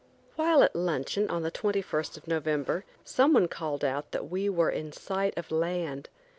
'" While at luncheon on the 21st of November, some one called out that we were in sight of land.